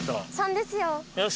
「３」ですよ。